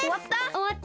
おわった？